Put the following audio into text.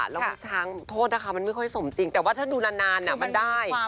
แล้วก็ช้างโทษนะคะมันไม่ค่อยสมจริงแต่ว่าถ้าดูนานมันได้